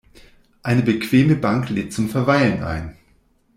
Eine bequeme Bank lädt zum Verweilen ein.